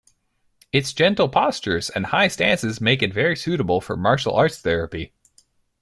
Its gentle postures and high stances make it very suitable for martial arts therapy.